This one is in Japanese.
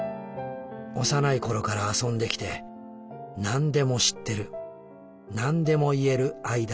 幼い頃から遊んできてなんでも知ってるなんでも言える間柄。